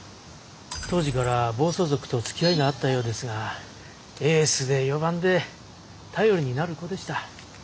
当時から暴走族とつきあいがあったようですがエースで４番で頼りになる子でした。